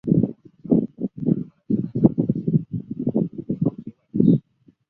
番樱桃葛圆盾介壳虫为盾介壳虫科桃葛圆盾介壳虫属下的一个种。